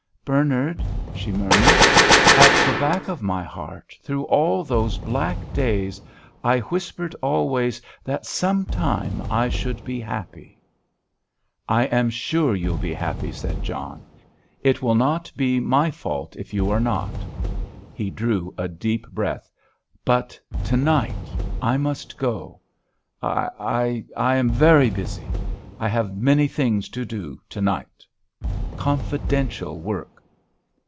"Bernard," she murmured, "at the back of my heart, through all those black days, I whispered always that some time I should be happy." "I am sure you'll be happy," said John. "It will not be my fault if you are not." He drew in a deep breath. "But to night—I must go; I—I am very busy; I have many things to do to night. Confidential work."